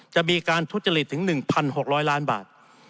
จะมีการทุจริตถึง๑๖๐๐ล้านบาท